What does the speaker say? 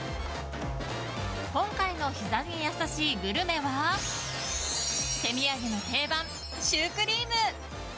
今回の膝にやさしいグルメは手土産の定番シュークリーム。